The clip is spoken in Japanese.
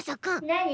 なに？